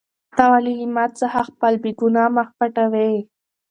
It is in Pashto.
ته ولې له ما څخه خپل بېګناه مخ پټوې؟